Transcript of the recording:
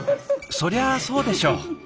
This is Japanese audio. そりゃそうでしょ。